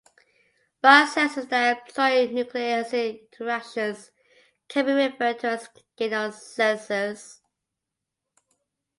Biosensors that employ nucleic acid interactions can be referred to as genosensors.